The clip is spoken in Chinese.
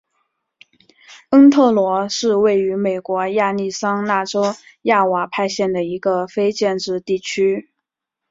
恩特罗是位于美国亚利桑那州亚瓦派县的一个非建制地区。